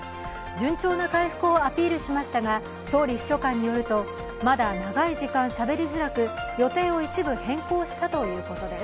順調な回復をアピールしましたが総理秘書官によると、まだ長い時間しゃべりづらく予定を一部変更したということです。